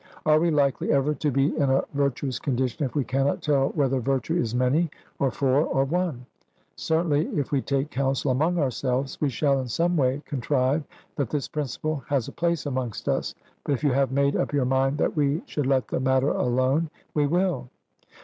Are we likely ever to be in a virtuous condition, if we cannot tell whether virtue is many, or four, or one? Certainly, if we take counsel among ourselves, we shall in some way contrive that this principle has a place amongst us; but if you have made up your mind that we should let the matter alone, we will.